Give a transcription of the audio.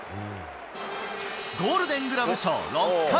ゴールデングラブ賞６回。